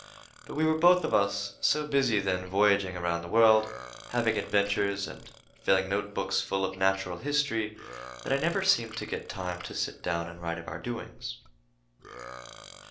But we were both of us so busy then voyaging around the world, having adventures and filling note books full of natural history that I never seemed to get time to sit down and write of our doings.